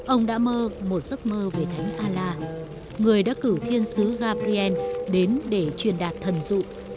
ông đã mơ một giấc mơ về thánh a la người đã cử thiên sứ gabriel đến để truyền đạt thần dụ